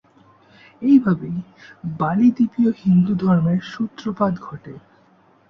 এইভাবেই বালিদ্বীপীয় হিন্দুধর্মের সূত্রপাত ঘটে।